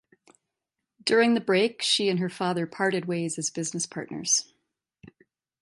During the break she and her father parted ways as business partners.